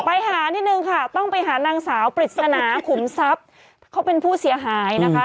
ไปหานิดนึงค่ะต้องไปหานางสาวปริศนาขุมทรัพย์เขาเป็นผู้เสียหายนะคะ